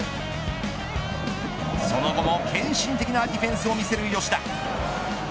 その後も献身的なディフェンスを見せる吉田。